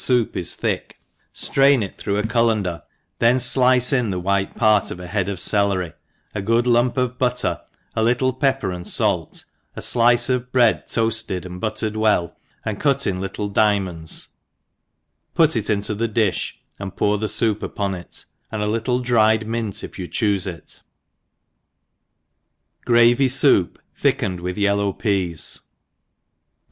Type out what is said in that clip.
foup U tl)ick| ftrai^ it through a cullqndari (hen (lice in the white part of a head of celery, ^ good luipp of bqttef^ a little pepper and falt^ a flice of bread toafbsd ao4 buttered well, and cut in little diamonds, put it into the diih, and pour th^ foup upon it^ an4 ^ little dried mint if you (hoof? i(« Gravy Sq^tp thickened with Yeliqw Pea^s^ PUT.